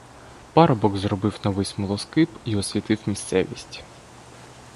Парубок зробив новий смолоскип і освітив місцевість.